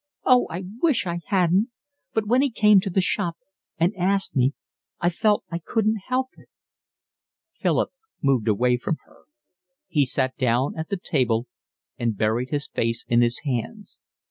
Oh, I wish I hadn't. But when he came to the shop and asked me I felt I couldn't help it." Philip moved away from her. He sat down at the table and buried his face in his hands.